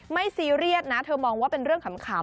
ซีเรียสนะเธอมองว่าเป็นเรื่องขำ